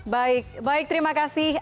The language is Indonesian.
baik baik terima kasih